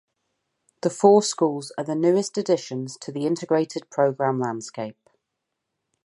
The four schools are the newest additions to the Integrated Programme landscape.